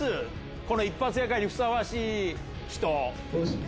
この一発屋会にふさわしい人。